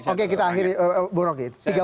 oke kita akhiri bukroke